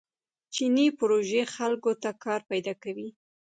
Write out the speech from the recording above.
چیني پروژې خلکو ته کار پیدا کوي.